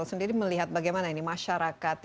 sendiri melihat bagaimana ini masyarakat